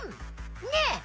ねえ！